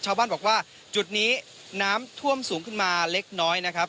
ชาวบ้านบอกว่าจุดนี้น้ำท่วมสูงขึ้นมาเล็กน้อยนะครับ